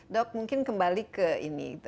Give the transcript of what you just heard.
dok mungkin kembali ke ini